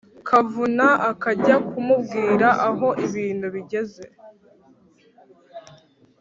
kavuna akajya kumubwira aho ibintu bigeze